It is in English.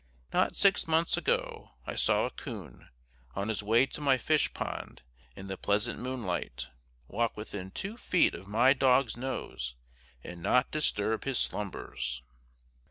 Not six months ago I saw a coon, on his way to my fish pond in the pleasant moonlight, walk within two feet of my dog's nose and not disturb his slumbers.